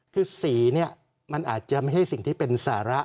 คือสีเนี่ยมันอาจจะไม่ใช่สิ่งที่เป็นสาระ